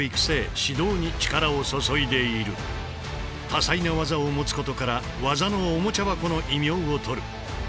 多彩な技を持つことから「技のおもちゃ箱」の異名をとる。